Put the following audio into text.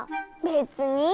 べつにぃ。